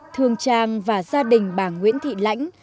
thương trang và gia đình bà nguyễn thị lãnh